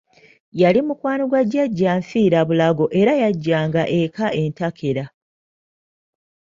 Yali mukwano gwa Jjajja nfiirabulago era yajjanga eka entakera.